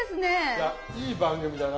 いやいい番組だな。